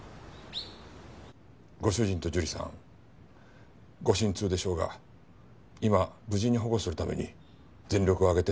ご主人と樹里さんご心痛でしょうが今無事に保護するために全力を挙げて捜しております。